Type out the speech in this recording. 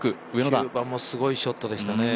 ９番もすごいショットでしたね。